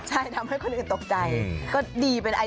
ใช่ทำให้คนอื่นตกใจ